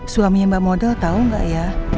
suami mbak model tau gak ya